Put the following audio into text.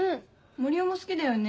森生も好きだよね？